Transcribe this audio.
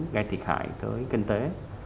gây thiệt hại tới kinh tế